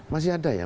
masih ada ya